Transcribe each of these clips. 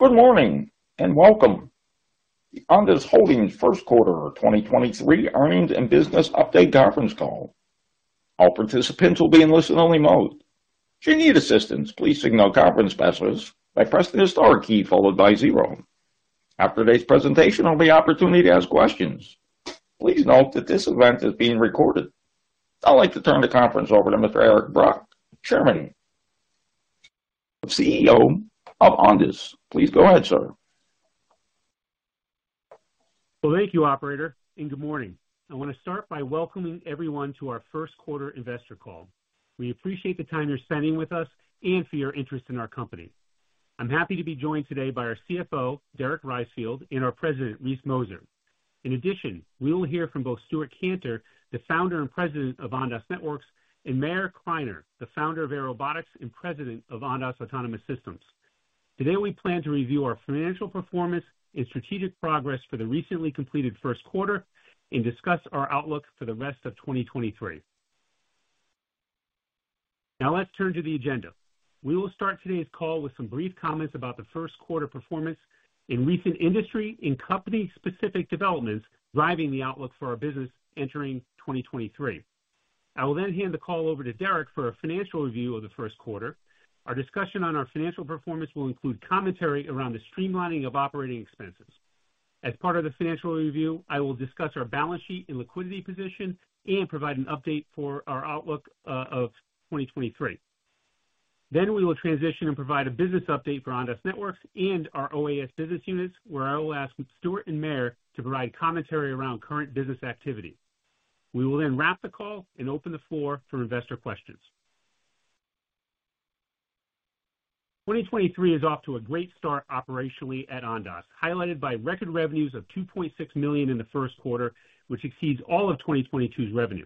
Good morning and welcome to Ondas Holdings Q1 2023 Earnings and Business update conference call. All participants will be in listen-only mode. If you need assistance, please signal conference specialists by pressing the star key followed by zero. After today's presentation, there'll be opportunity to ask questions. Please note that this event is being recorded. I'd like to turn the conference over to Mr. Eric Brock, Chairman and CEO of Ondas. Please go ahead, sir. Well, thank you, operator, and good morning. I wanna start by welcoming everyone to our Q1 investor call. We appreciate the time you're spending with us and for your interest in our company. I'm happy to be joined today by our CFO, Derek Reisfield, and our President, Reese Mozer. In addition, we will hear from both Stewart Kantor, the Founder and President of Ondas Networks, and Meir Kliner, the founder of Airobotics and President of Ondas Autonomous Systems. Today, we plan to review our financial performance and strategic progress for the recently completed Q1 and discuss our outlook for the rest of 2023. Let's turn to the agenda. We will start today's call with some brief comments about the Q1 performance in recent industry and company-specific developments driving the outlook for our business entering 2023. I will then hand the call over to Derek for a financial review of the Q1. Our discussion on our financial performance will include commentary around the streamlining of operating expenses. As part of the financial review, I will discuss our balance sheet and liquidity position and provide an update for our outlook of 2023. We will transition and provide a business update for Ondas Networks and our OAS business units, where I will ask Stewart and Meir to provide commentary around current business activity. We will wrap the call and open the floor for investor questions. 2023 is off to a great start operationally at Ondas, highlighted by record revenues of $2.6 million in the Q1, which exceeds all of 2022's revenue.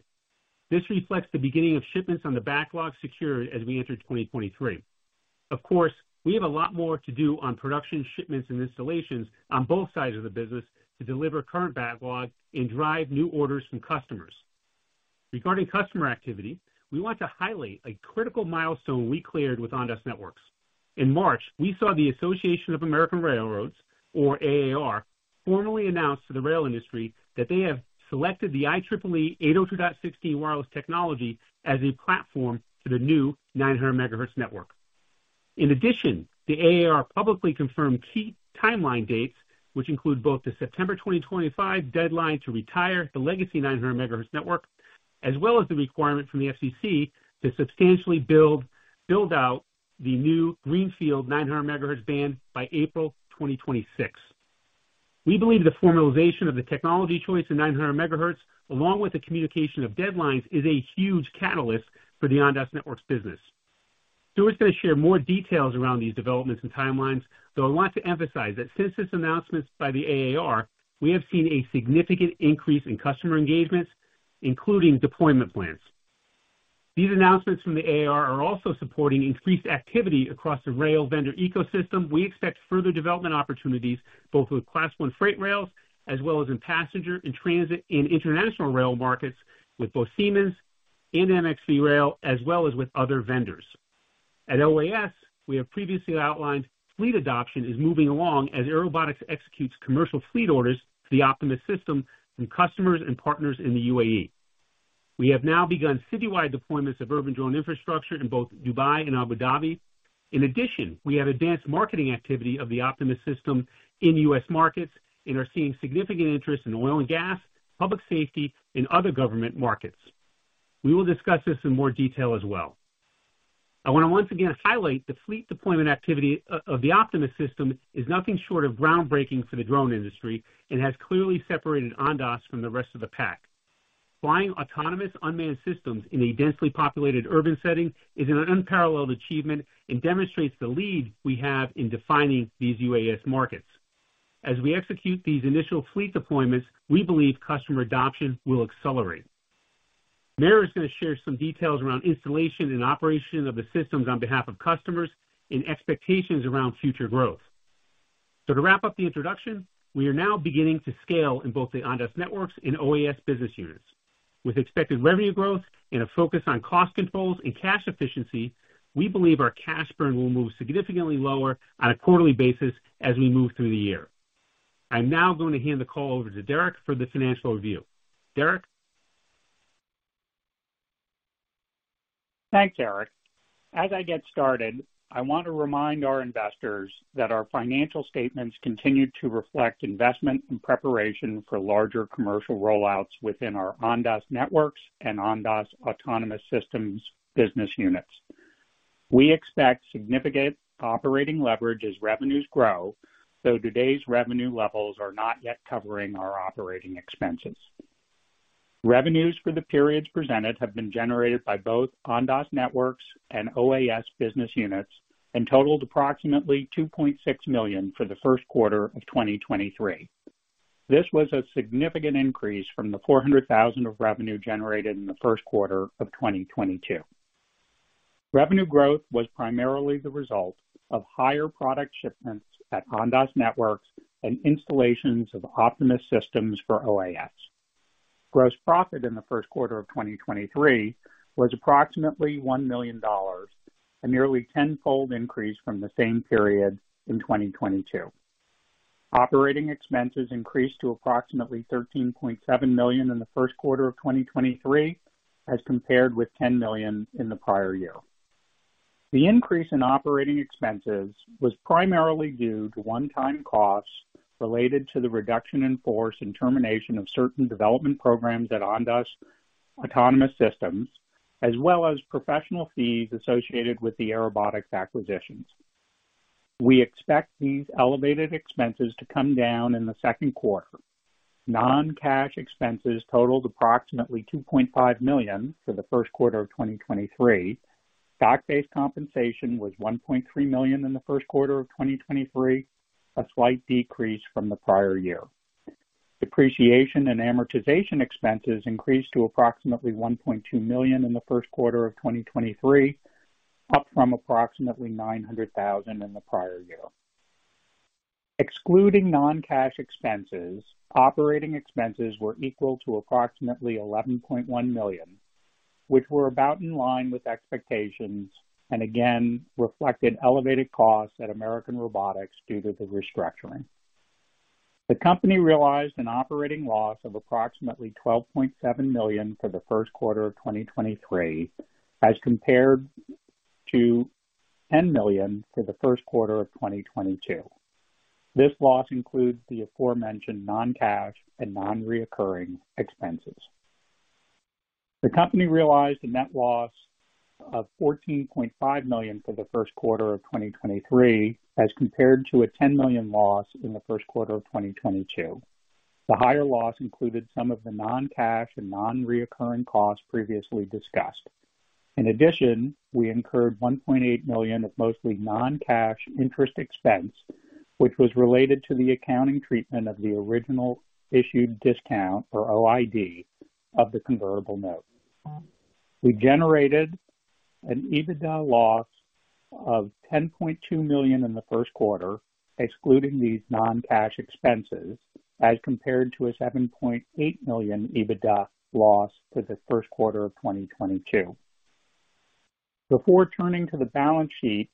This reflects the beginning of shipments on the backlog secured as we entered 2023. We have a lot more to do on production shipments and installations on both sides of the business to deliver current backlogs and drive new orders from customers. Regarding customer activity, we want to highlight a critical milestone we cleared with Ondas Networks. In March, we saw the Association of American Railroads, or AAR, formally announce to the rail industry that they have selected the IEEE 802.16 wireless technology as a platform for the new 900 MHz network. The AAR publicly confirmed key timeline dates, which include both the September 2025 deadline to retire the legacy 900 MHz network, as well as the requirement from the FCC to substantially build out the new Greenfield 900 MHz band by April 2026. We believe the formalization of the technology choice in 900 MHz, along with the communication of deadlines, is a huge catalyst for the Ondas Networks business. Stewart's gonna share more details around these developments and timelines, though I want to emphasize that since this announcement by the AAR, we have seen a significant increase in customer engagements, including deployment plans. These announcements from the AAR are also supporting increased activity across the rail vendor ecosystem. We expect further development opportunities both with Class I freight rails as well as in passenger and transit and international rail markets with both Siemens and MxV Rail as well as with other vendors. At OAS, we have previously outlined fleet adoption is moving along as Airobotics executes commercial fleet orders for the Optimus System from customers and partners in the UAE. We have now begun citywide deployments of urban drone infrastructure in both Dubai and Abu Dhabi. In addition, we have advanced marketing activity of the Optimus System in U.S. markets and are seeing significant interest in oil and gas, public safety and other government markets. We will discuss this in more detail as well. I wanna once again highlight the fleet deployment activity of the Optimus System is nothing short of groundbreaking for the drone industry and has clearly separated Ondas from the rest of the pack. Flying autonomous unmanned systems in a densely populated urban setting is an unparalleled achievement and demonstrates the lead we have in defining these UAS markets. As we execute these initial fleet deployments, we believe customer adoption will accelerate. Meir is gonna share some details around installation and operation of the systems on behalf of customers and expectations around future growth. To wrap up the introduction, we are now beginning to scale in both the Ondas Networks and OAS business units. With expected revenue growth and a focus on cost controls and cash efficiency, we believe our cash burn will move significantly lower on a quarterly basis as we move through the year. I'm now going to hand the call over to Derek for the financial review. Derek? Thanks, Eric. As I get started, I want to remind our investors that our financial statements continue to reflect investment and preparation for larger commercial rollouts within our Ondas Networks and Ondas Autonomous Systems business units. We expect significant operating leverage as revenues grow, though today's revenue levels are not yet covering our operating expenses. Revenues for the periods presented have been generated by both Ondas Networks and OAS business units and totaled approximately $2.6 million for the Q1 of 2023. This was a significant increase from the $400,000 of revenue generated in the Q1 of 2022. Revenue growth was primarily the result of higher product shipments at Ondas Networks and installations of Optimus Systems for OAS. Gross profit in the Q1 of 2023 was approximately $1 million, a nearly tenfold increase from the same period in 2022. Operating expenses increased to approximately $13.7 million in the Q1 of 2023, as compared with $10 million in the prior year. The increase in operating expenses was primarily due to one-time costs related to the reduction in force and termination of certain development programs at Ondas Autonomous Systems, as well as professional fees associated with the Airobotics acquisitions. We expect these elevated expenses to come down in the Q2. Non-cash expenses totaled approximately $2.5 million for the Q1 of 2023. Stock-based compensation was $1.3 million in the Q1 of 2023, a slight decrease from the prior year. Depreciation and amortization expenses increased to approximately $1.2 million in the Q1 of 2023, up from approximately $900,000 in the prior year. Excluding non-cash expenses, operating expenses were equal to approximately $11.1 million, which were about in line with expectations and again reflected elevated costs at American Robotics due to the restructuring. The company realized an operating loss of approximately $12.7 million for the Q1 of 2023, as compared to $10 million for the Q1 of 2022. This loss includes the aforementioned non-cash and non-recurring expenses. The company realized a net loss of $14.5 million for the Q1 of 2023, as compared to a $10 million loss in the Q1 of 2022. The higher loss included some of the non-cash and non-recurring costs previously discussed. We incurred $1.8 million of mostly non-cash interest expense, which was related to the accounting treatment of the original issue discount, or OID, of the convertible note. We generated an EBITDA loss of $10.2 million in the Q1, excluding these non-cash expenses, as compared to a $7.8 million EBITDA loss for the Q1 of 2022. Before turning to the balance sheet,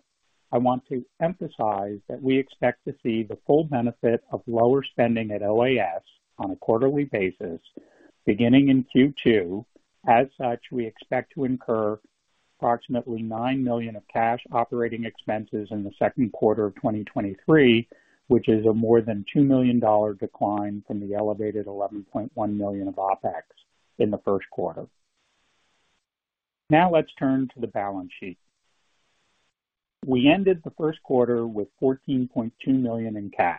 I want to emphasize that we expect to see the full benefit of lower spending at OAS on a quarterly basis beginning in Q2. We expect to incur approximately $9 million of cash operating expenses in the Q2 of 2023, which is a more than $2 million decline from the elevated $11.1 million of OpEx in the Q1. Let's turn to the balance sheet. We ended the Q1 with $14.2 million in cash.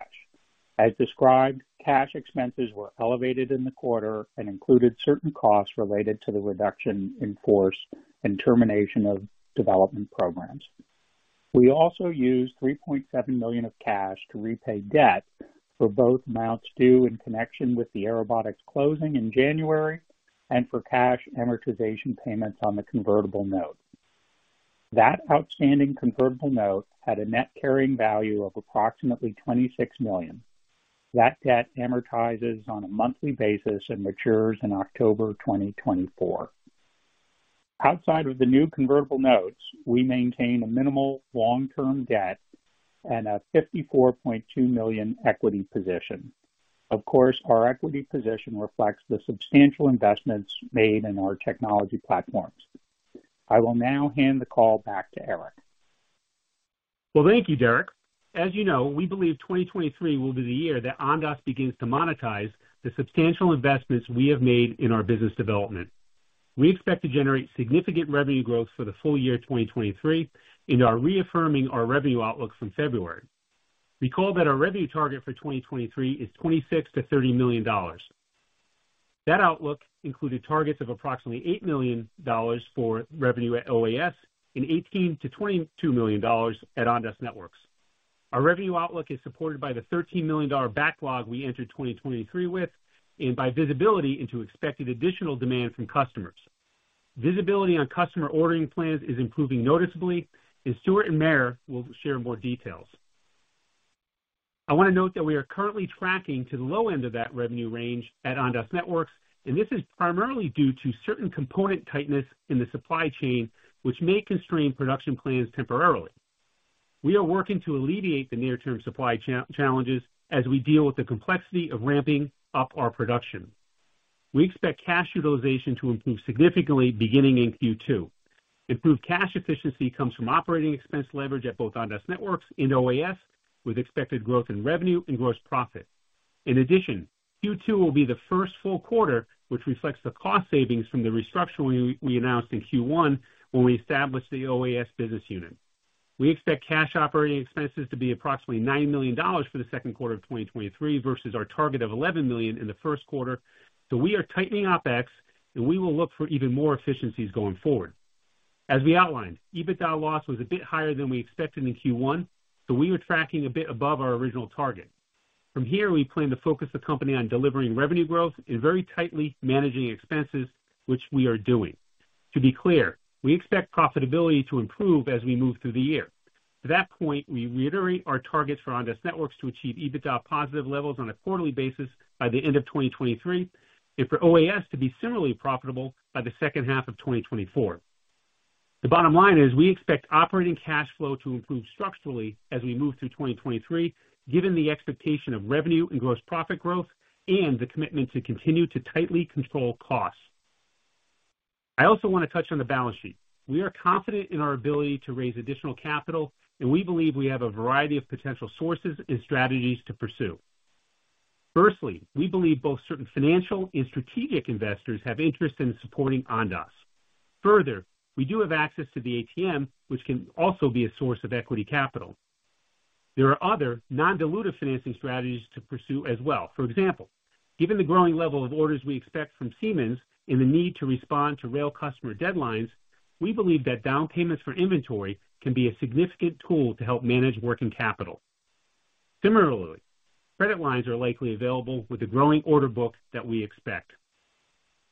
Cash expenses were elevated in the quarter and included certain costs related to the reduction in force and termination of development programs. We also used $3.7 million of cash to repay debt for both amounts due in connection with the Airobotics closing in January and for cash amortization payments on the convertible note. That outstanding convertible note had a net carrying value of approximately $26 million. That debt amortizes on a monthly basis and matures in October 2024. Outside of the new convertible notes, we maintain a minimal long-term debt and a $54.2 million equity position. Of course, our equity position reflects the substantial investments made in our technology platforms. I will now hand the call back to Eric. Thank you, Derek. As you know, we believe 2023 will be the year that Ondas begins to monetize the substantial investments we have made in our business development. We expect to generate significant revenue growth for the full year 2023 and are reaffirming our revenue outlook from February. Recall that our revenue target for 2023 is $26 million-$30 million. That outlook included targets of approximately $8 million for revenue at OAS and $18 million-$22 million at Ondas Networks. Our revenue outlook is supported by the $13 million backlog we entered 2023 with and by visibility into expected additional demand from customers. Visibility on customer ordering plans is improving noticeably. Stewart and Meir will share more details. I wanna note that we are currently tracking to the low end of that revenue range at Ondas Networks. This is primarily due to certain component tightness in the supply chain, which may constrain production plans temporarily. We are working to alleviate the near term supply challenges as we deal with the complexity of ramping up our production. We expect cash utilization to improve significantly beginning in Q2. Improved cash efficiency comes from operating expense leverage at both Ondas Networks and OAS, with expected growth in revenue and gross profit. In addition, Q2 will be the first full quarter which reflects the cost savings from the restructuring we announced in Q1 when we established the OAS business unit. We expect cash operating expenses to be approximately $9 million for the Q2 of 2023 versus our target of $11 million in the Q1. We are tightening OpEx, and we will look for even more efficiencies going forward. As we outlined, EBITDA loss was a bit higher than we expected in Q1, so we were tracking a bit above our original target. From here, we plan to focus the company on delivering revenue growth and very tightly managing expenses, which we are doing. To be clear, we expect profitability to improve as we move through the year. To that point, we reiterate our targets for Ondas Networks to achieve EBITDA positive levels on a quarterly basis by the end of 2023 and for OAS to be similarly profitable by the second half of 2024. The bottom line is we expect operating cash flow to improve structurally as we move through 2023, given the expectation of revenue and gross profit growth and the commitment to continue to tightly control costs. I also want to touch on the balance sheet. We are confident in our ability to raise additional capital, and we believe we have a variety of potential sources and strategies to pursue. Firstly, we believe both certain financial and strategic investors have interest in supporting Ondas. Further, we do have access to the ATM, which can also be a source of equity capital. There are other non-dilutive financing strategies to pursue as well. For example, given the growing level of orders we expect from Siemens and the need to respond to rail customer deadlines, we believe that down payments for inventory can be a significant tool to help manage working capital. Similarly, credit lines are likely available with the growing order book that we expect.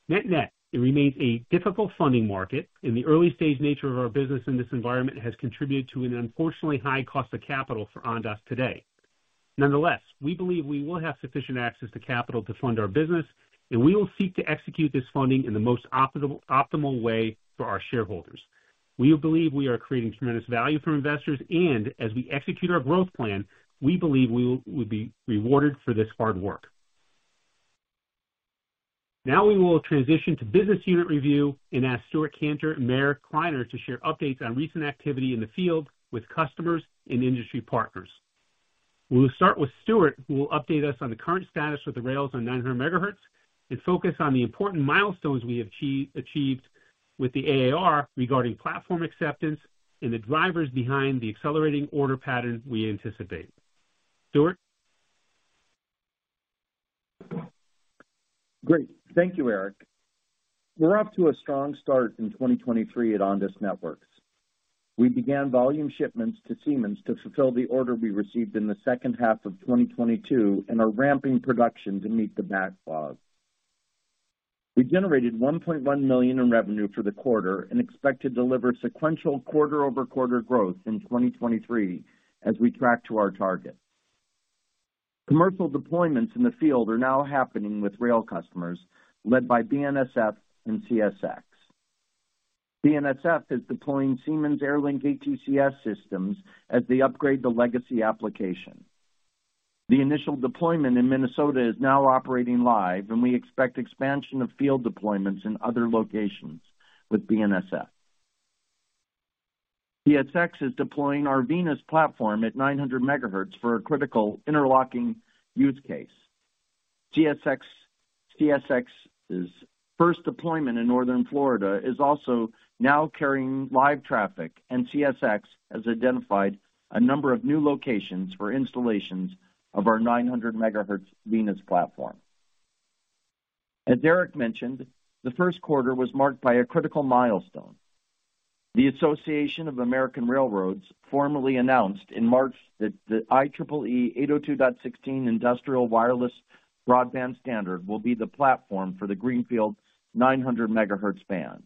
Net-net, it remains a difficult funding market, and the early-stage nature of our business in this environment has contributed to an unfortunately high cost of capital for Ondas today. Nonetheless, we believe we will have sufficient access to capital to fund our business, and we will seek to execute this funding in the most optimal way for our shareholders. We believe we are creating tremendous value for investors, and as we execute our growth plan, we believe we'll be rewarded for this hard work. Now we will transition to business unit review and ask Stewart Kantor and Meir Kliner to share updates on recent activity in the field with customers and industry partners. We will start with Stewart, who will update us on the current status with the rails on 900 MHz and focus on the important milestones we achieved with the AAR regarding platform acceptance and the drivers behind the accelerating order pattern we anticipate. Stewart? Great. Thank you, Eric. We're off to a strong start in 2023 at Ondas Networks. We began volume shipments to Siemens to fulfill the order we received in the second half of 2022 and are ramping production to meet the backlog. We generated $1.1 million in revenue for the quarter and expect to deliver sequential quarter-over-quarter growth in 2023 as we track to our target. Commercial deployments in the field are now happening with rail customers, led by BNSF and CSX. BNSF is deploying Siemens AirLink ATCS systems as they upgrade the legacy application. The initial deployment in Minnesota is now operating live, and we expect expansion of field deployments in other locations with BNSF. CSX is deploying our Venus platform at 900 MHz for a critical interlocking use case. CSX's first deployment in northern Florida is also now carrying live traffic. CSX has identified a number of new locations for installations of our 900 MHz Venus platform. As Eric mentioned, the Q1 was marked by a critical milestone. The Association of American Railroads formally announced in March that the IEEE 802.16 industrial wireless broadband standard will be the platform for the Greenfield 900 MHz band.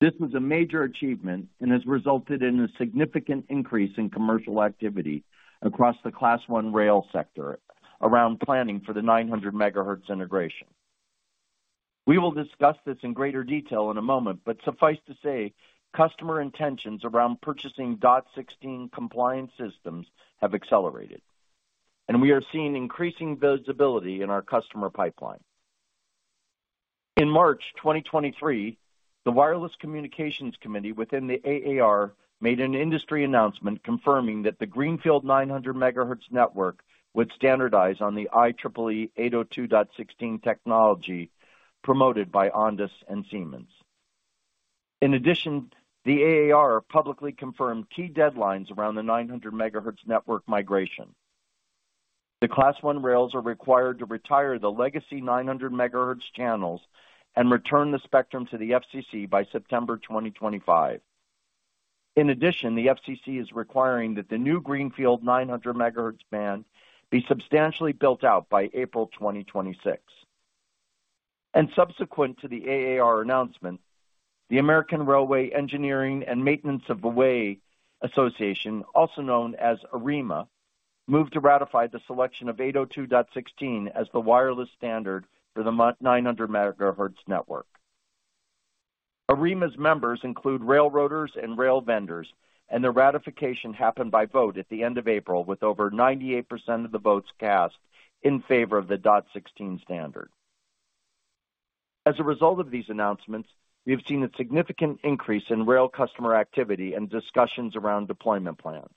This was a major achievement and has resulted in a significant increase in commercial activity across the Class I rail sector around planning for the 900 MHz integration. We will discuss this in greater detail in a moment. Suffice to say, customer intentions around purchasing DOT-16 compliance systems have accelerated. We are seeing increasing visibility in our customer pipeline. In March 2023, the Wireless Communications Committee within the AAR made an industry announcement confirming that the Greenfield 900 MHz network would standardize on the IEEE 802.16 technology promoted by Ondas and Siemens. In addition, the AAR publicly confirmed key deadlines around the 900 MHz network migration. The Class I rails are required to retire the legacy 900 MHz channels and return the spectrum to the FCC by September 2025. In addition, the FCC is requiring that the new Greenfield 900 MHz band be substantially built out by April 2026. Subsequent to the AAR announcement, the American Railway Engineering and Maintenance-of-Way Association, also known as AREMA, moved to ratify the selection of 802.16 as the wireless standard for the 900 MHz network. AREMA's members include railroaders and rail vendors. The ratification happened by vote at the end of April, with over 98% of the votes cast in favor of the 802.16 standard. As a result of these announcements, we have seen a significant increase in rail customer activity and discussions around deployment plans.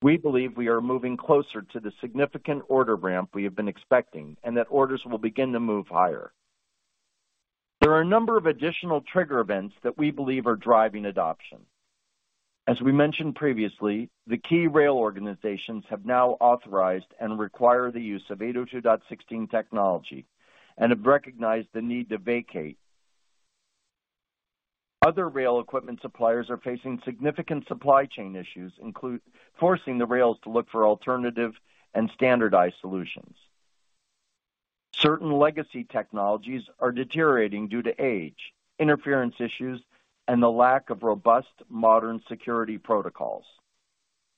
We believe we are moving closer to the significant order ramp we have been expecting and that orders will begin to move higher. There are a number of additional trigger events that we believe are driving adoption. As we mentioned previously, the key rail organizations have now authorized and require the use of 802.16 technology and have recognized the need to vacate. Other rail equipment suppliers are facing significant supply chain issues, forcing the rails to look for alternative and standardized solutions. Certain legacy technologies are deteriorating due to age, interference issues, and the lack of robust modern security protocols.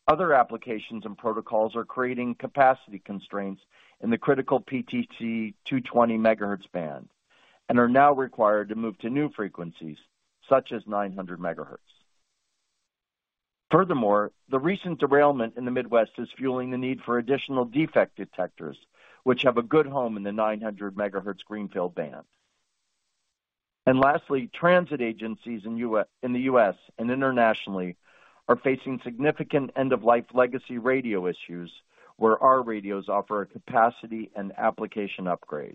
Other applications and protocols are creating capacity constraints in the critical PTC 220 MHz band and are now required to move to new frequencies such as 900 MHz. Furthermore, the recent derailment in the Midwest is fueling the need for additional defect detectors, which have a good home in the 900 MHz Greenfield Band. Lastly, transit agencies in the U.S. and internationally are facing significant end-of-life legacy radio issues where our radios offer a capacity and application upgrade.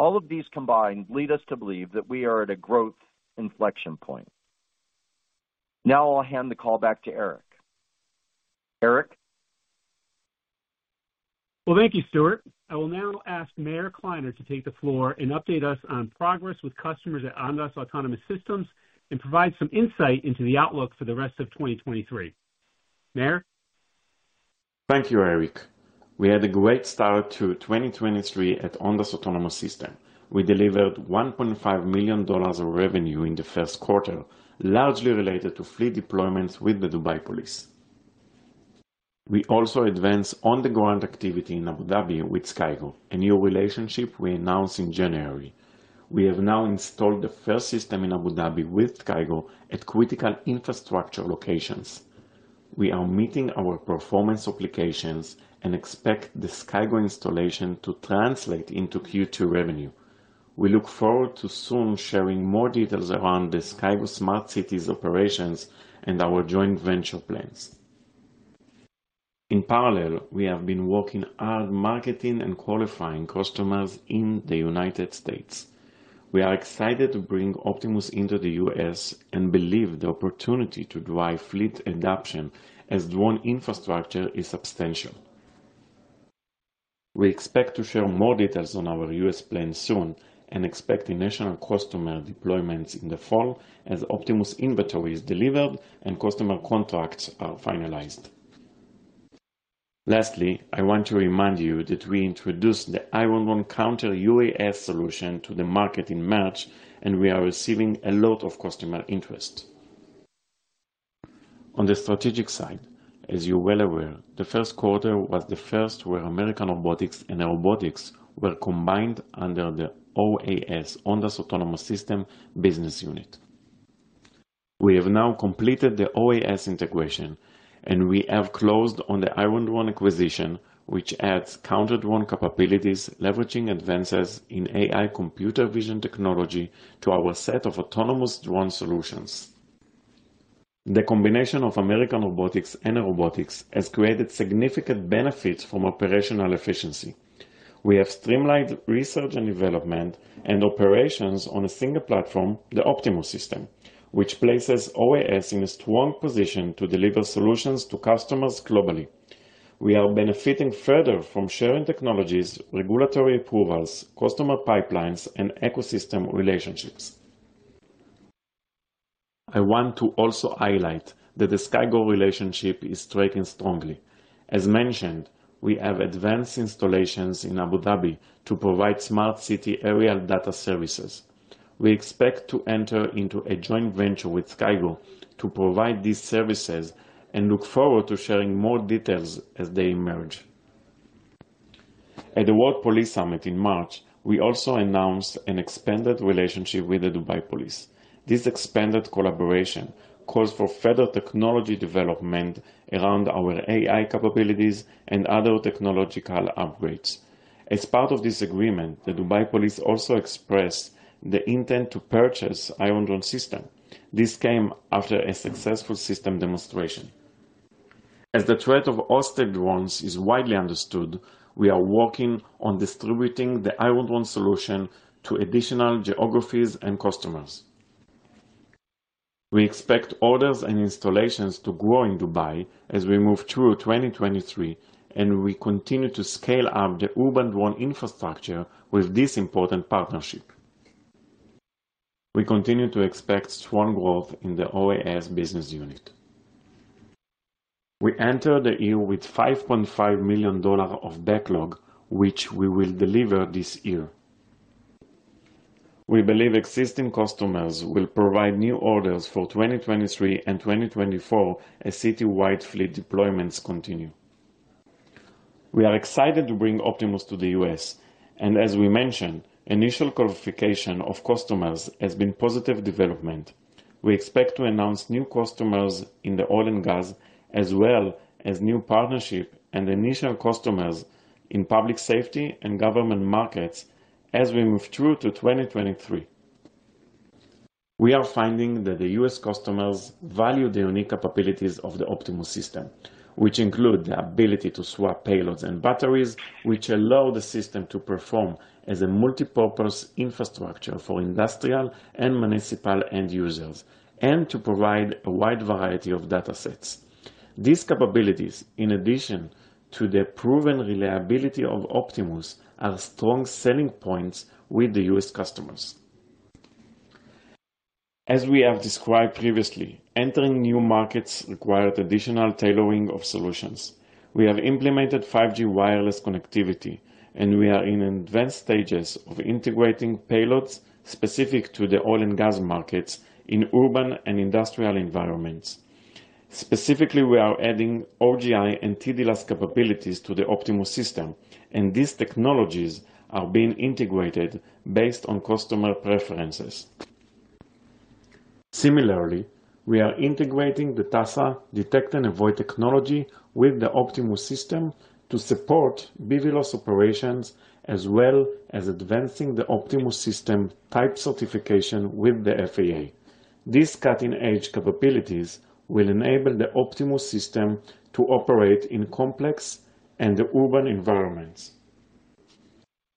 All of these combined lead us to believe that we are at a growth inflection point. Now I'll hand the call back to Eric. Eric? Well, thank you, Stewart. I will now ask Meir Kliner to take the floor and update us on progress with customers at Ondas Autonomous Systems and provide some insight into the outlook for the rest of 2023. Meir. Thank you, Eric. We had a great start to 2023 at Ondas Autonomous Systems. We delivered $1.5 million of revenue in the Q1, largely related to fleet deployments with the Dubai Police. We also advanced on-the-ground activity in Abu Dhabi with SkyGo, a new relationship we announced in January. We have now installed the first system in Abu Dhabi with SkyGo at critical infrastructure locations. We are meeting our performance applications and expect the SkyGo installation to translate into Q2 revenue. We look forward to soon sharing more details around the SkyGo Smart Cities operations and our joint venture plans. We have been working hard marketing and qualifying customers in the United States. We are excited to bring Optimus into the U.S. and believe the opportunity to drive fleet adoption as drone infrastructure is substantial. We expect to share more details on our U.S. plan soon and expect initial customer deployments in the fall as Optimus inventory is delivered and customer contracts are finalized. Lastly, I want to remind you that we introduced the Iron Drone Counter-UAS solution to the market in March, and we are receiving a lot of customer interest. On the strategic side, as you're well aware, the Q1 was the first where American Robotics and Airobotics were combined under the OAS, Ondas Autonomous Systems business unit. We have now completed the OAS integration, and we have closed on the Iron Drone acquisition, which adds counter drone capabilities, leveraging advances in AI computer vision technology to our set of autonomous drone solutions. The combination of American Robotics and Airobotics has created significant benefits from operational efficiency. We have streamlined research and development and operations on a single platform, the Optimus System, which places OAS in a strong position to deliver solutions to customers globally. We are benefiting further from sharing technologies, regulatory approvals, customer pipelines, and ecosystem relationships. I want to also highlight that the SkyGo relationship is tracking strongly. As mentioned, we have advanced installations in Abu Dhabi to provide smart city aerial data services. We expect to enter into a joint venture with SkyGo to provide these services and look forward to sharing more details as they emerge. At the World Police Summit in March, we also announced an expanded relationship with the Dubai Police. This expanded collaboration calls for further technology development around our AI capabilities and other technological upgrades. As part of this agreement, the Dubai Police also expressed the intent to purchase Iron Drone system. This came after a successful system demonstration. As the threat of all state drones is widely understood, we are working on distributing the Iron Drone solution to additional geographies and customers. We expect orders and installations to grow in Dubai as we move through 2023. We continue to scale up the urban drone infrastructure with this important partnership. We continue to expect strong growth in the OAS business unit. We enter the year with $5.5 million of backlog, which we will deliver this year. We believe existing customers will provide new orders for 2023 and 2024 as city-wide fleet deployments continue. We are excited to bring Optimus to the U.S. As we mentioned, initial qualification of customers has been positive development. We expect to announce new customers in the oil and gas as well as new partnership and initial customers in public safety and government markets as we move through to 2023. We are finding that the U.S. customers value the unique capabilities of the Optimus System, which include the ability to swap payloads and batteries, which allow the system to perform as a multipurpose infrastructure for industrial and municipal end users and to provide a wide variety of data sets. These capabilities, in addition to the proven reliability of Optimus, are strong selling points with the U.S. customers. As we have described previously, entering new markets required additional tailoring of solutions. We have implemented 5G wireless connectivity, and we are in advanced stages of integrating payloads specific to the oil and gas markets in urban and industrial environments. Specifically, we are adding OGI and TDLAS capabilities to the Optimus System, and these technologies are being integrated based on customer preferences. Similarly, we are integrating the TASA detect and avoid technology with the Optimus System to support BVLOS operations, as well as advancing the Optimus System type certification with the FAA. These cutting-edge capabilities will enable the Optimus System to operate in complex and urban environments.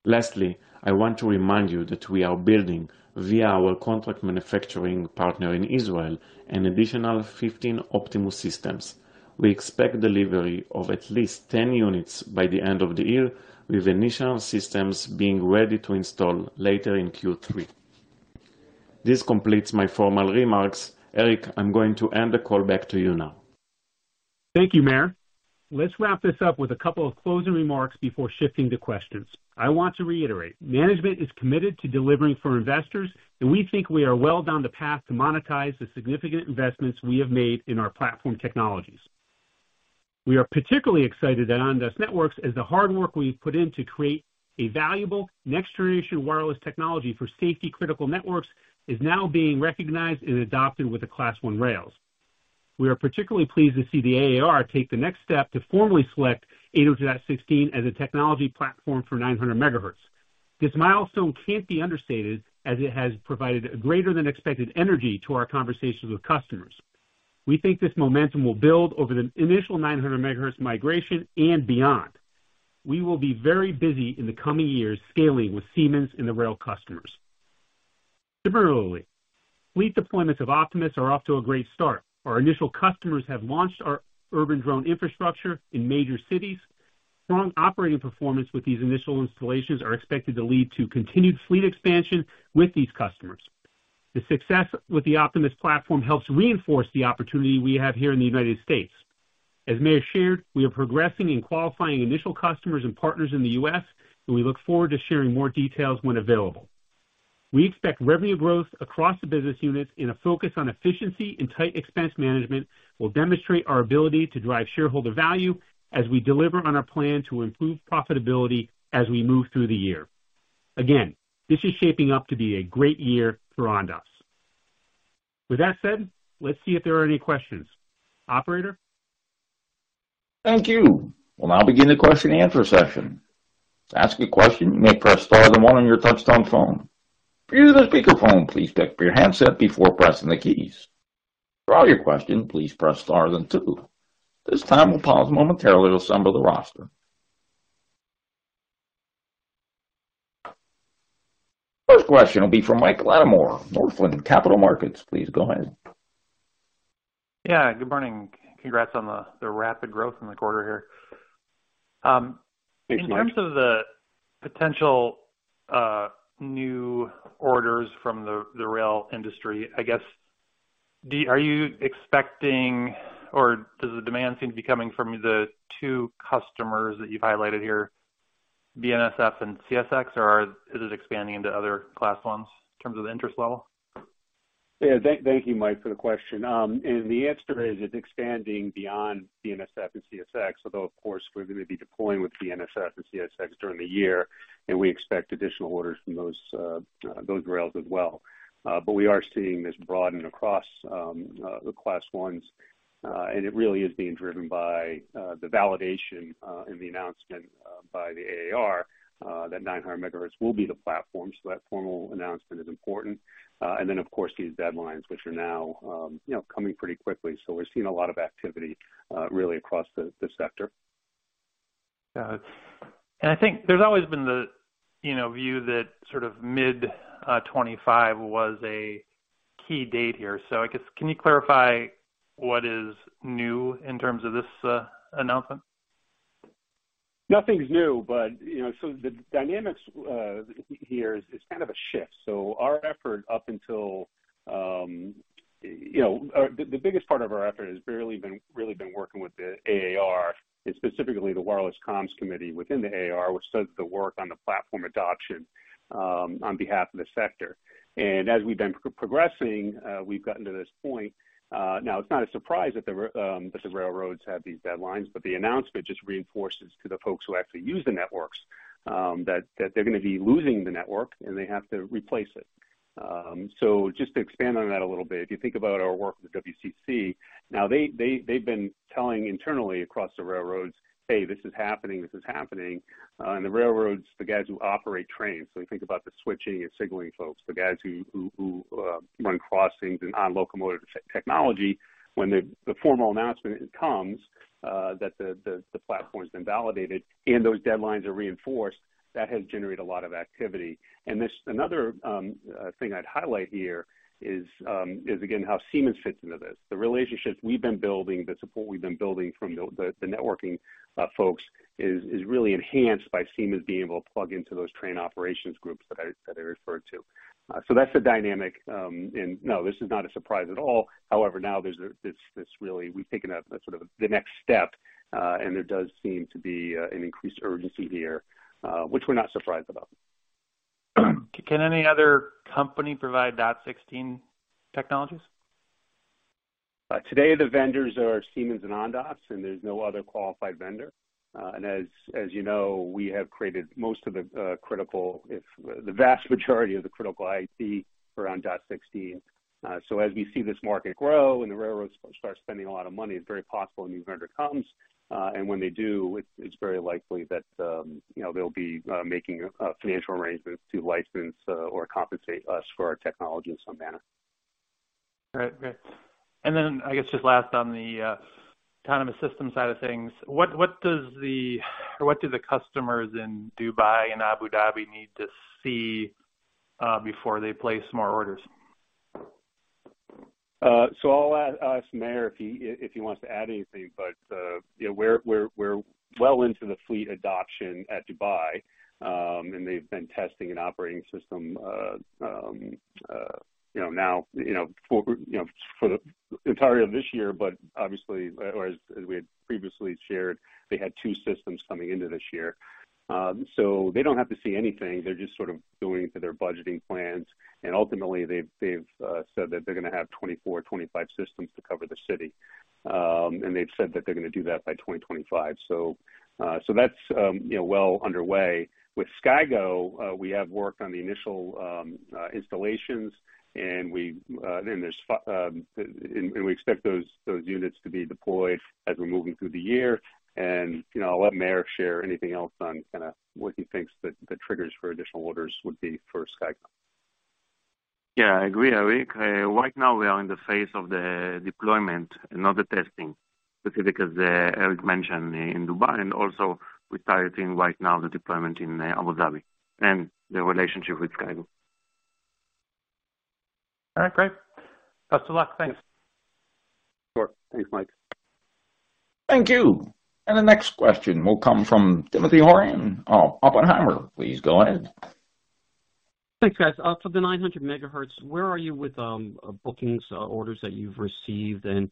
Lastly, I want to remind you that we are building via our contract manufacturing partner in Israel, an additional 15 Optimus Systems. We expect delivery of at least 10 units by the end of the year, with initial systems being ready to install later in Q3. This completes my formal remarks. Eric, I'm going to hand the call back to you now. Thank you, Meir. Let's wrap this up with a couple of closing remarks before shifting to questions. I want to reiterate, management is committed to delivering for investors, and we think we are well down the path to monetize the significant investments we have made in our platform technologies. We are particularly excited at Ondas Networks as the hard work we've put in to create a valuable next generation wireless technology for safety critical networks is now being recognized and adopted with the Class I rails. We are particularly pleased to see the AAR take the next step to formally select 802.16 as a technology platform for 900 MHz. This milestone can't be understated as it has provided greater than expected energy to our conversations with customers. We think this momentum will build over the initial 900 MHz migration and beyond. We will be very busy in the coming years scaling with Siemens and the rail customers. Similarly, fleet deployments of Optimus are off to a great start. Our initial customers have launched our urban drone infrastructure in major cities. Strong operating performance with these initial installations are expected to lead to continued fleet expansion with these customers. The success with the Optimus platform helps reinforce the opportunity we have here in the United States. As Meir shared, we are progressing in qualifying initial customers and partners in the U.S.. We look forward to sharing more details when available. We expect revenue growth across the business units in a focus on efficiency and tight expense management will demonstrate our ability to drive shareholder value as we deliver on our plan to improve profitability as we move through the year. This is shaping up to be a great year for Ondas. With that said, let's see if there are any questions. Operator? Thank you. We'll now begin the question and answer session. To ask a question, you may press star then one on your touch-tone phone. If you're using a speakerphone, please pick up your handset before pressing the keys. For all your questions, please press star then two. At this time, we'll pause momentarily to assemble the roster. First question will be from Mike Latimore, Northland Capital Markets. Please go ahead. Yeah, good morning. Congrats on the rapid growth in the quarter here. Thanks, Mike. In terms of the potential, new orders from the rail industry, I guess, are you expecting or does the demand seem to be coming from the two customers that you've highlighted here, BNSF and CSX? Or is it expanding into other Class Is in terms of interest level? Yeah. Thank you, Mike, for the question. The answer is it's expanding beyond BNSF and CSX, although of course, we're going to be deploying with BNSF and CSX during the year, and we expect additional orders from those rails as well. But we are seeing this broaden across the Class Is, and it really is being driven by the validation and the announcement by the AAR that 900 MHz will be the platform. That formal announcement is important. Then of course, these deadlines which are now, you know, coming pretty quickly. We're seeing a lot of activity really across the sector. Got it. I think there's always been the, you know, view that sort of mid-2025 was a key date here. I guess can you clarify what is new in terms of this announcement? Nothing's new. You know, the dynamics here is kind of a shift. Our effort up until, you know, or the biggest part of our effort has really been working with the AAR and specifically the Wireless Communications Committee within the AAR, which does the work on the platform adoption on behalf of the sector. As we've been progressing, we've gotten to this point. Now, it's not a surprise that the railroads have these deadlines, but the announcement just reinforces to the folks who actually use the networks that they're gonna be losing the network, and they have to replace it. Just to expand on that a little bit, if you think about our work with WCC now, they've been telling internally across the railroads, Hey, this is happening, this is happening. The railroads, the guys who operate trains, we think about the switching and signaling folks, the guys who run crossings and on locomotive technology. When the formal announcement comes, that the platform's been validated and those deadlines are reinforced, that has generated a lot of activity. Another thing I'd highlight here is again, how Siemens fits into this. The relationships we've been building, the support we've been building from the networking folks is really enhanced by Siemens being able to plug into those train operations groups that I referred to. That's the dynamic. No, this is not a surprise at all. However, now there's this really we've taken a sort of the next step, and there does seem to be an increased urgency here, which we're not surprised about. Can any other company provide DOT-16 technologies? Today the vendors are Siemens and Ondas. There's no other qualified vendor. As you know, we have created most of the vast majority of the critical IT around DOT-16. As we see this market grow and the railroads start spending a lot of money, it's very possible a new vendor comes, when they do, it's very likely that, you know, they'll be making financial arrangements to license or compensate us for our technology in some manner. All right. Great. Then I guess just last on the autonomous system side of things, what do the customers in Dubai and Abu Dhabi need to see before they place more orders? I'll ask Meir if he wants to add anything. We're well into the fleet adoption at Dubai. They've been testing an operating system, now for the entirety of this year. Obviously, or as we had previously shared, they had two systems coming into this year. They don't have to see anything. They're just sort of going through their budgeting plans. Ultimately they've said that they're gonna have 24, 25 systems to cover the city. They've said that they're gonna do that by 2025. That's well underway. With SkyGo, we have worked on the initial installations, and we expect those units to be deployed as we're moving through the year. You know, I'll let Meir share anything else on kinda what he thinks the triggers for additional orders would be for SkyGo. Yeah, I agree, Eric. Right now we are in the phase of the deployment and not the testing, specifically because, Eric mentioned in Dubai and also we're targeting right now the deployment in Abu Dhabi and the relationship with SkyGo. All right. Great. Best of luck. Thanks. Sure. Thanks, Mike. Thank you. The next question will come from Timothy Horan of Oppenheimer. Please go ahead. Thanks, guys. For the 900 MHz, where are you with bookings, orders that you've received? Can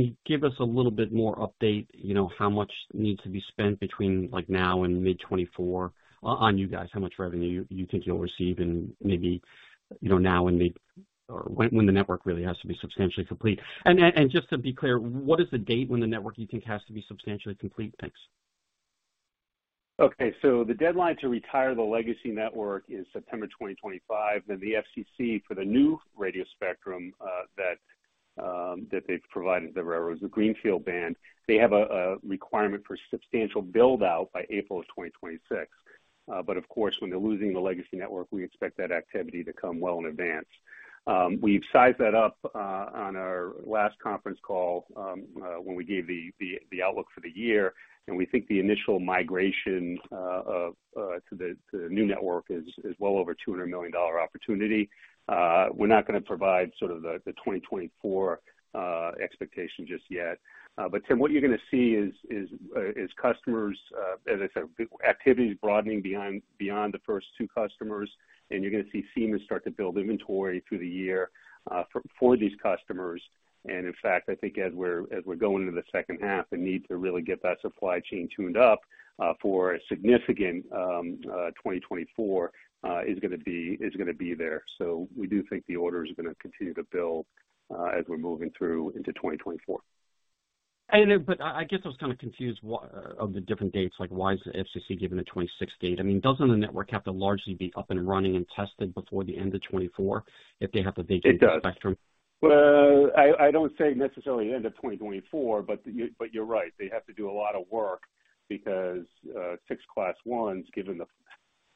you give us a little bit more update, you know, how much needs to be spent between, like, now and mid-2024 on you guys? How much revenue you think you'll receive and maybe, you know, now or when the network really has to be substantially complete. Just to be clear, what is the date when the network you think has to be substantially complete? Thanks. Okay. The deadline to retire the legacy network is September 2025. The FCC for the new radio spectrum, that they've provided the railroads, the Greenfield Band, they have a requirement for substantial build-out by April 2026. Of course, when they're losing the legacy network, we expect that activity to come well in advance. We've sized that up on our last conference call, when we gave the outlook for the year, and we think the initial migration of to the new network is well over a $200 million opportunity. We're not gonna provide sort of the 2024 expectation just yet. Tim, what you're gonna see is customers, as I said, activity is broadening beyond the first two customers, and you're gonna see Siemens start to build inventory through the year, for these customers. In fact, I think as we're going into the second half, the need to really get that supply chain tuned up, for a significant, 2024, is gonna be there. We do think the orders are gonna continue to build, as we're moving through into 2024. I guess I was kind of confused of the different dates, like why is the FCC giving the 2026 date? I mean, doesn't the network have to largely be up and running and tested before the end of 2024 if they have to vacate the spectrum? It does. Well, I don't say necessarily end of 2024, but you're right, they have to do a lot of work because 6 Class I, given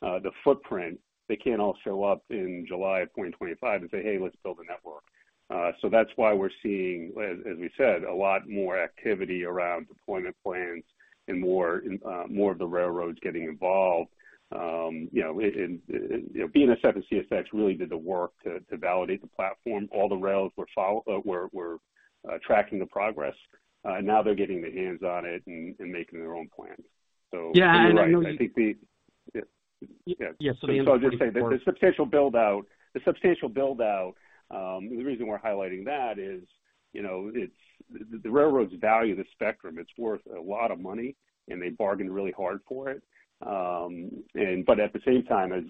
the footprint, they can't all show up in July of 2025 and say, Hey, let's build a network. That's why we're seeing, as we said, a lot more activity around deployment plans and more, more of the railroads getting involved. You know, and, you know, BNSF and CSX really did the work to validate the platform. All the rails were tracking the progress. Now they're getting their hands on it and making their own plans. Yeah, I know- You're right. I think the- yeah. Yeah. The end of 2024- I'll just say the substantial build-out. The reason we're highlighting that is, you know, it's the railroads value the spectrum. It's worth a lot of money, and they bargain really hard for it. At the same time, as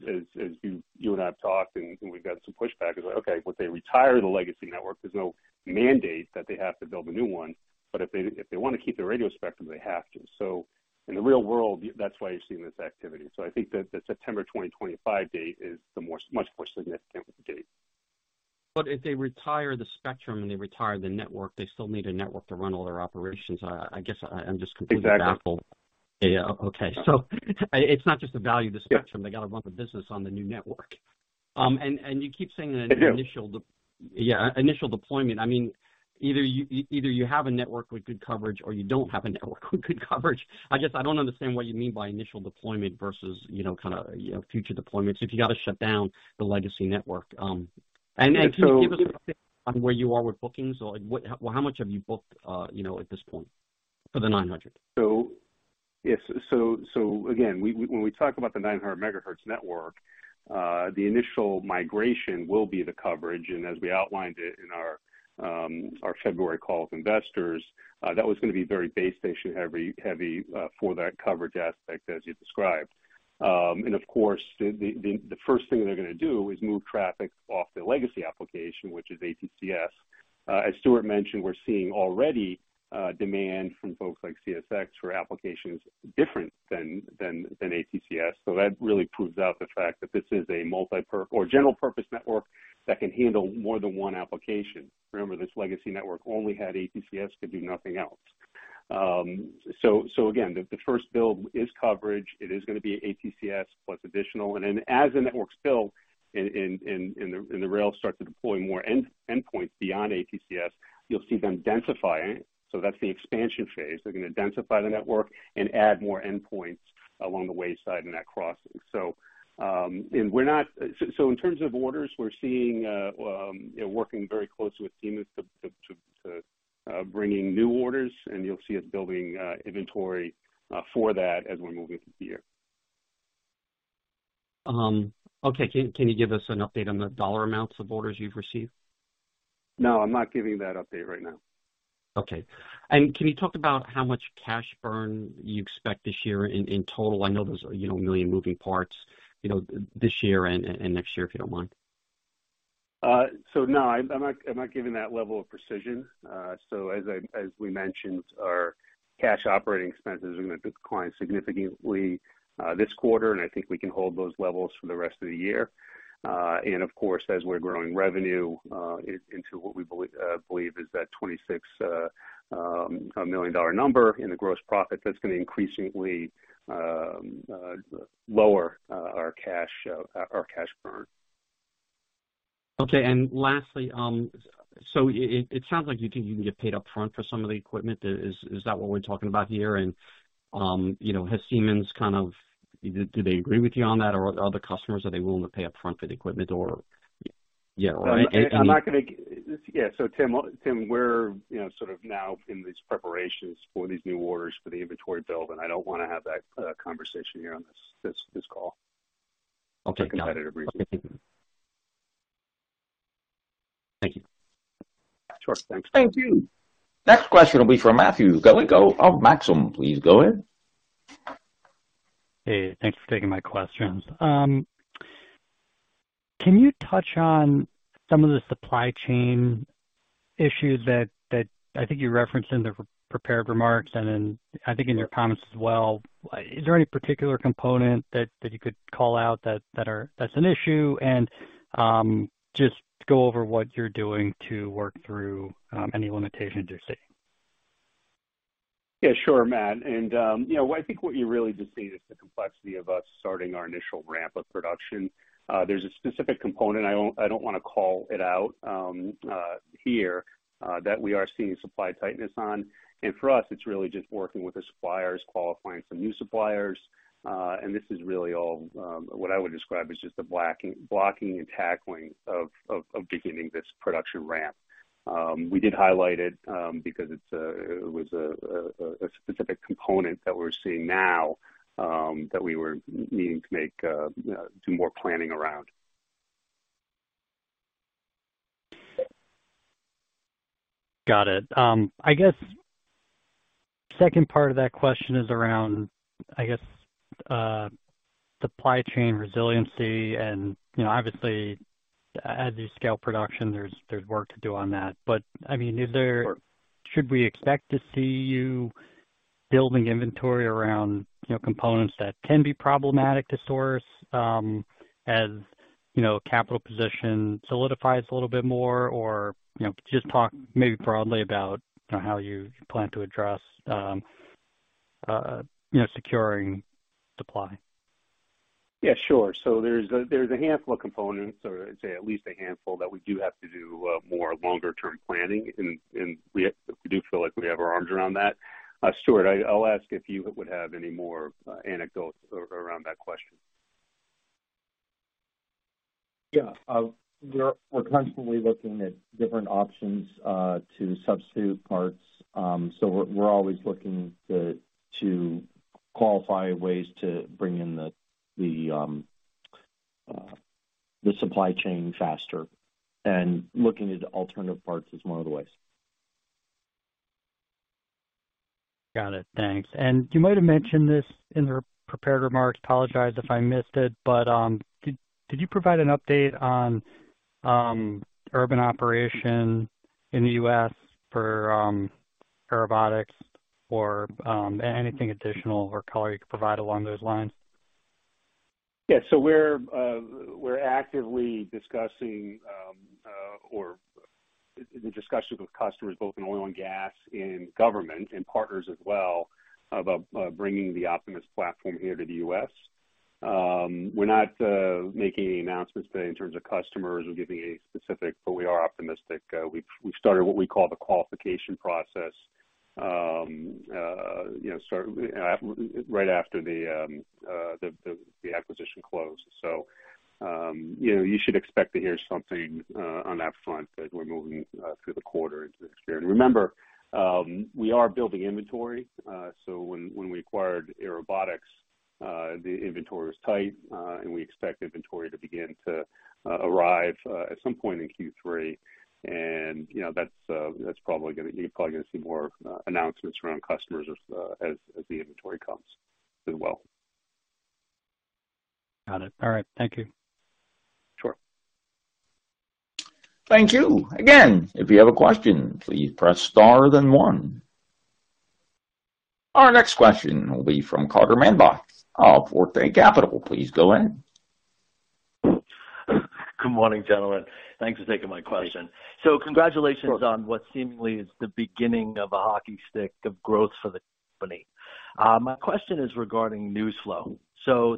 you and I have talked and we've got some pushback is like, okay, if they retire the legacy network, there's no mandate that they have to build a new one. If they want to keep the radio spectrum, they have to. In the real world, that's why you're seeing this activity. I think that the September 2025 date is the much more significant date. If they retire the spectrum and they retire the network, they still need a network to run all their operations. I guess I'm just completely baffled. Exactly. Yeah. Okay. It's not just the value of the spectrum. Yeah. They got to run the business on the new network. You keep saying the initial... They do. Yeah, initial deployment. I mean, either you have a network with good coverage or you don't have a network with good coverage. I don't understand what you mean by initial deployment versus, you know, kind of, you know, future deployments if you got to shut down the legacy network. Can you give us an update on where you are with bookings or like how much have you booked, you know, at this point for the 900? Yes. Again, we, when we talk about the 900 MHz network, the initial migration will be the coverage. As we outlined it in our February call with investors, that was gonna be very base station heavy for that coverage aspect as you described. Of course, the first thing they're gonna do is move traffic off the legacy application, which is ATCS. As Stewart mentioned, we're seeing already demand from folks like CSX for applications different than ATCS. That really proves out the fact that this is a multi-purpose or general purpose network that can handle more than one application. Remember, this legacy network only had ATCS, could do nothing else. Again, the first build is coverage. It is gonna be ATCS plus additional. As the network's built and the rail starts to deploy more endpoints beyond ATCS, you'll see them densifying. That's the expansion phase. They're gonna densify the network and add more endpoints along the wayside in that crossing. In terms of orders, we're seeing working very closely with Siemens to bringing new orders, and you'll see us building inventory for that as we're moving through the year. Okay. Can you give us an update on the dollar amounts of orders you've received? No, I'm not giving that update right now. Okay. Can you talk about how much cash burn you expect this year in total? I know there's, you know, a million moving parts, you know, this year and next year, if you don't mind. No, I'm not giving that level of precision. As we mentioned, our cash operating expenses are gonna decline significantly this quarter, and I think we can hold those levels for the rest of the year. Of course, as we're growing revenue, into what we believe is that $26 million number in the gross profit, that's gonna increasingly lower our cash burn. Okay. lastly, it sounds like you think you can get paid up front for some of the equipment. Is that what we're talking about here? you know, has Siemens, do they agree with you on that? other customers, are they willing to pay up front for the equipment or, yeah? I'm not gonna Yeah. Tim, we're, you know, sort of now in these preparations for these new orders for the inventory build, I don't wanna have that conversation here on this call. Okay. For competitive reasons. Thank you. Sure. Thanks. Thank you. Next question will be from Matthew Galinko of Maxim Group. Please go ahead. Hey, thanks for taking my questions. Can you touch on some of the supply chain issues that I think you referenced in the prepared remarks, and then I think in your comments as well? Is there any particular component that you could call out that's an issue? Just go over what you're doing to work through, any limitations you're seeing. Yeah, sure, Matt. You know, I think what you really just see is the complexity of us starting our initial ramp of production. There's a specific component, I don't wanna call it out here that we are seeing supply tightness on. For us, it's really just working with the suppliers, qualifying some new suppliers. This is really all what I would describe as just the blocking and tackling of beginning this production ramp. We did highlight it because it's a specific component that we're seeing now that we were needing to make do more planning around. Got it. I guess second part of that question is around, I guess, supply chain resiliency. You know, obviously as you scale production, there's work to do on that. But, I mean, is there. Sure. Should we expect to see you building inventory around, you know, components that can be problematic to source, as, you know, capital position solidifies a little bit more? You know, just talk maybe broadly about how you plan to address, you know, securing supply? Yeah, sure. There's a handful of components or say at least a handful that we do have to do more longer term planning, and we do feel like we have our arms around that. Stewart, I'll ask if you would have any more anecdotes around that question. Yeah. We're constantly looking at different options, to substitute parts. We're always looking to qualify ways to bring in the supply chain faster and looking at alternative parts is one of the ways. Got it. Thanks. You might have mentioned this in the prepared remarks. Apologize if I missed it, but did you provide an update on Urban Operation in the U.S. for Airobotics or anything additional or color you could provide along those lines? Yeah. We're actively discussing or in discussions with customers both in oil and gas and government and partners as well about bringing the Optimus platform here to the U.S. We're not making any announcements today in terms of customers or giving any specific, but we are optimistic. We've started what we call the qualification process, you know, sort of right after the acquisition closed. You know, you should expect to hear something on that front as we're moving through the quarter into this year. Remember, we are building inventory. So when we acquired Airobotics, the inventory is tight, and we expect inventory to begin to arrive at some point in Q3. you know, you're probably gonna see more announcements around customers as the inventory comes as well. Got it. All right. Thank you. Sure. Thank you. Again, if you have a question, please press star then one. Our next question will be from Carter Mansbach of Forte Capital. Please go in. Good morning, gentlemen. Thanks for taking my question. Congratulations on what seemingly is the beginning of a hockey stick of growth for the company. My question is regarding news flow.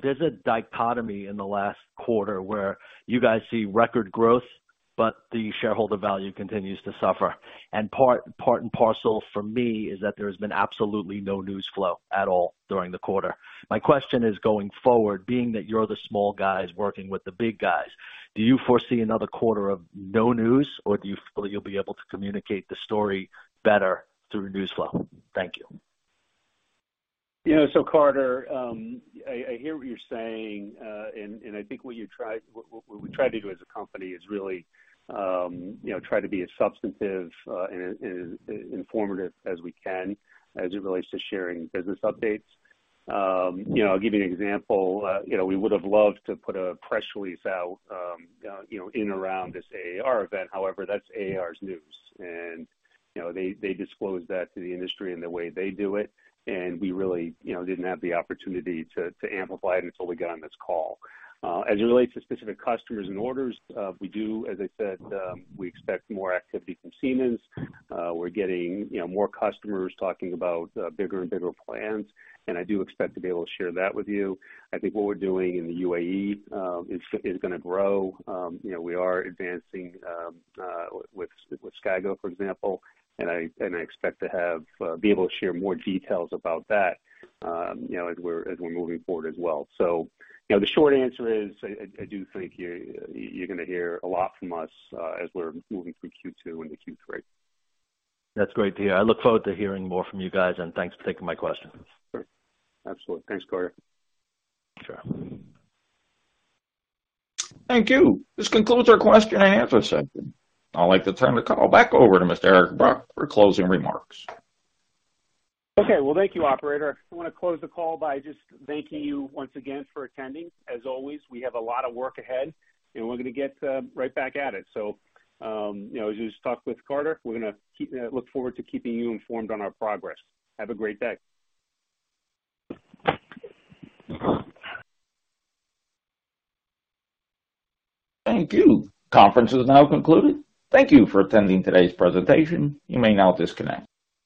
There's a dichotomy in the last quarter where you guys see record growth, but the shareholder value continues to suffer. Part and parcel for me is that there has been absolutely no news flow at all during the quarter. My question is, going forward, being that you're the small guys working with the big guys, do you foresee another quarter of no news, or do you feel you'll be able to communicate the story better through news flow? Thank you. You know, so Carter, I hear what you're saying, and I think what we try to do as a company is really, you know, try to be as substantive, and as informative as we can as it relates to sharing business updates. You know, I'll give you an example. You know, we would have loved to put a press release out, you know, in around this AAR event. However, that's AAR's news. You know, they disclosed that to the industry in the way they do it, and we really, you know, didn't have the opportunity to amplify it until we got on this call. As it relates to specific customers and orders, we do as I said, we expect more activity from Siemens. We're getting, you know, more customers talking about bigger and bigger plans, and I do expect to be able to share that with you. I think what we're doing in the UAE is gonna grow. You know, we are advancing with SkyGo, for example, and I, and I expect to be able to share more details about that, you know, as we're, as we're moving forward as well. You know, the short answer is I do think you're gonna hear a lot from us as we're moving through Q2 into Q3. That's great to hear. I look forward to hearing more from you guys. Thanks for taking my question. Sure. Absolutely. Thanks, Carter. Sure. Thank you. This concludes our question and answer session. I'd like to turn the call back over to Mr. Eric Brock for closing remarks. Okay. Well, thank you, operator. I wanna close the call by just thanking you once again for attending. As always, we have a lot of work ahead, and we're gonna get right back at it. You know, as you just talked with Carter, we're gonna look forward to keeping you informed on our progress. Have a great day. Thank you. Conference is now concluded. Thank you for attending today's presentation. You may now disconnect.